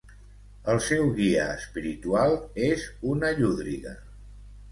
El seu guia espiritual és una llúdriga.